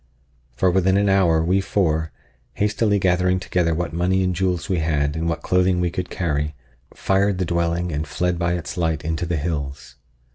For within an hour we four, hastily gathering together what money and jewels we had and what clothing we could carry, fired the dwelling and fled by its light into the hills.